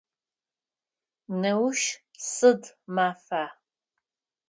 Неущ сыд мафа?